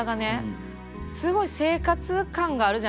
すごい生活感があるじゃないですか。